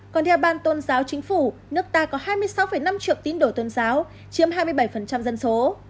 còn theo ban tôn giáo chính phủ nước ta có hai mươi sáu năm triệu tín đồ tôn giáo chiếm hai mươi bảy dân số